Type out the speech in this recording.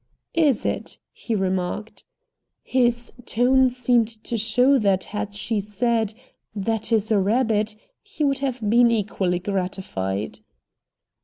"IS it?" he remarked. His tone seemed to show that had she said, "That is a rabbit," he would have been equally gratified.